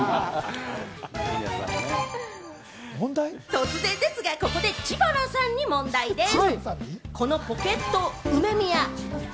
突然ですが、ここで知花さんに問題です。